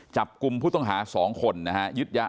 จับกลุ่มผู้ต้องหา๒คนนะฮะยึดยาไอได้ถึง๑๔๙กิโลกรัมนะฮะ